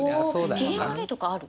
機嫌悪いとかある？